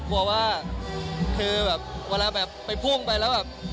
กลัวว่าคือแบบเวลาแบบไปพุ่งไปแล้วแบบ